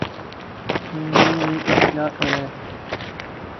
ن لیگ اب کیا کرے؟